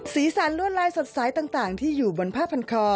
สีสันลวดลายสดใสต่างที่อยู่บนผ้าพันคอ